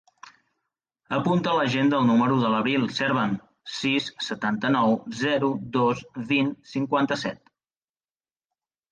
Apunta a l'agenda el número de l'Abril Serban: sis, setanta-nou, zero, dos, vint, cinquanta-set.